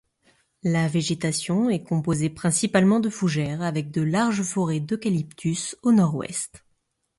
La végétation est composée principalement de fougères avec de larges forêts d'eucalyptus au nord-ouest.